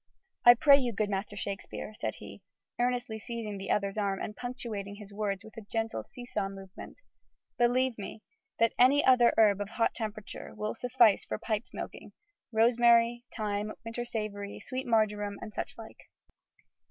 I pray you, good Master Shakespeare," said he, earnestly seizing the other's arm and punctuating his words with a gentle see saw movement, "believe me, that any other herb of hot temperature will suffice for pipe smoking rosemary, thyme, winter savory, sweet marjoram and such like."